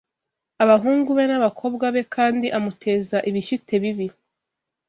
abahungu be n’abakobwa be; kandi amuteza ibishyute bibi